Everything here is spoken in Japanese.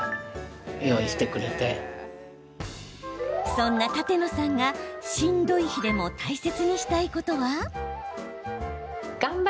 そんな舘野さんがしんどい日でも大切にしたいことは？